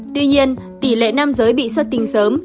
tuy nhiên tỷ lệ nam giới bị xuất tinh sớm